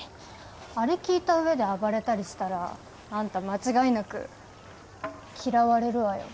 あれ聞いたうえで暴れたりしたらアンタ間違いなく嫌われるわよ。